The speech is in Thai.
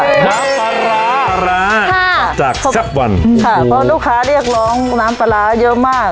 น้ำปลาร้าปลาร้าค่ะจากแซ่บวันค่ะเพราะลูกค้าเรียกร้องน้ำปลาร้าเยอะมาก